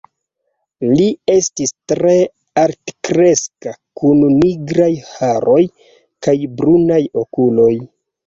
Li estis tre altkreska kun nigraj haroj kaj brunaj okuloj.